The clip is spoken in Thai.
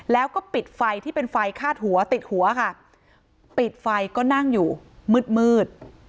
แล้วก็ปิดไฟที่เป็นไฟคาดหัวติดหัวค่ะปิดไฟก็นั่งอยู่มืดมืด